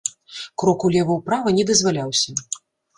Крок улева-ўправа не дазваляўся.